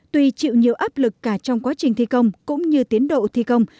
tuy chịu nhiều áp lực cả trong quá trình thi công cũng như tiến độ thi công